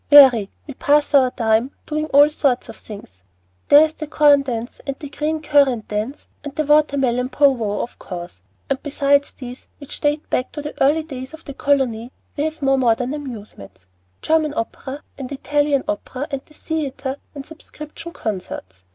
"Very. We pass our time doing all sorts of things. There's the Corn Dance and the Green Currant Dance and the Water Melon pow wow, of course, and beside these, which date back to the early days of the colony, we have the more modern amusements, German opera and Italian opera and the theatre and subscription concerts.